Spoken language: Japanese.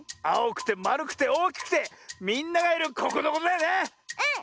あおくてまるくておおきくてみんながいるここのことだよね！